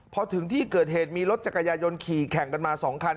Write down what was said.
พอถึงที่เกิดเหตุมีรถจักรยายนขี่แข่งกันมา๒คัน